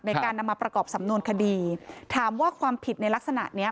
ในการนำมาประกอบสำนวนคดีถามว่าความผิดในลักษณะเนี้ย